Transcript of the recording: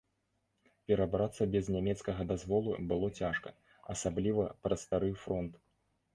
Перабрацца без нямецкага дазволу было цяжка, асабліва праз стары фронт.